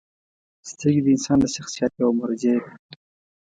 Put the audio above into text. • سترګې د انسان د شخصیت یوه مرجع ده.